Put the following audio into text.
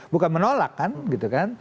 bukan menolak kan gitu kan